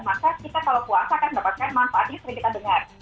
maka kita kalau puasa kan mendapatkan manfaatnya sering kita dengar